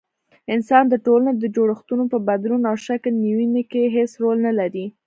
انسان د ټولني د جوړښتونو په بدلون او شکل نيوني کي هيڅ رول نلري